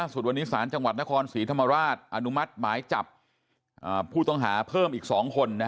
สุดวันนี้ศาลจังหวัดนครศรีธรรมราชอนุมัติหมายจับผู้ต้องหาเพิ่มอีก๒คน